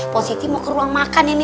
positif mau ke ruang makan ini